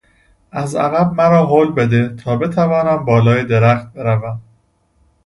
از عقب مرا هل بده تا بتوانم بالای درخت بروم.